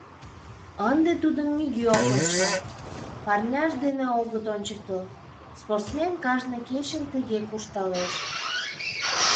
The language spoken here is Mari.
Ынде тудым нигӧ ок ончал, парняшт дене огыт ончыктыл: спортсмен, кажне кечын тыге куржталеш.